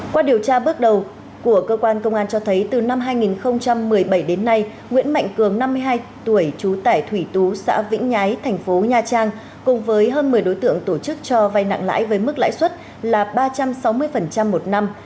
qua điều tra bước đầu của cơ quan công an cho thấy từ năm hai nghìn một mươi bảy đến nay nguyễn mạnh cường năm mươi hai tuổi trú tại thủy tú xã vĩnh nhái thành phố nha trang cùng với hơn một mươi đối tượng tổ chức cho vay nặng lãi với mức lãi suất là ba trăm sáu mươi một năm